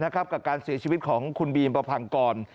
กับการเสียชีวิตของคุณบีมประพังกร